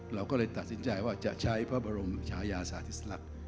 เราก็เลยตัดสินใจว่าจะใช้พระบรมชายาสาธิสลักษณ์